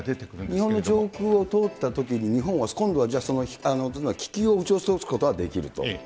けれ日本の上空を通ったときに、日本は今度はじゃあ、気球を撃ち落とすことはできると。